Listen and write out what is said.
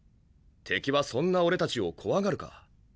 敵はそんな俺たちを怖がるか？